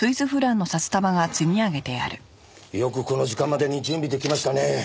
よくこの時間までに準備出来ましたね。